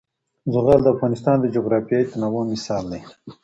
زغال د افغانستان د جغرافیوي تنوع مثال دی.